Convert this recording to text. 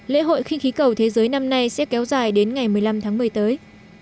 lễ hội khinh khí cầu thế giới năm nay sẽ kéo dài đến ngày một mươi năm tháng một mươi tới